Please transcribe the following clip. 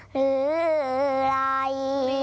หรืออะไร